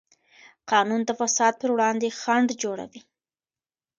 قانون د فساد پر وړاندې خنډ جوړوي.